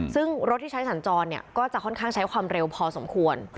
ซึ่งรถที่ใช้สัญจรก็จะค่อนข้างใช้ความเร็วพอสมควร